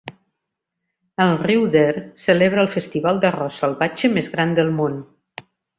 El riu Deer celebra el festival d'arròs salvatge més gran del món.